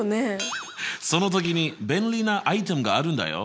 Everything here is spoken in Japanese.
その時に便利なアイテムがあるんだよ。